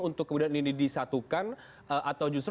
untuk kemudian ini disatukan atau justru